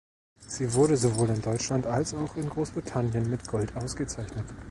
Sie wurde sowohl in Deutschland als auch in Großbritannien mit Gold ausgezeichnet.